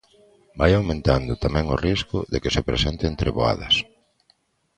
Vai aumentando tamén o risco de que se presenten treboadas.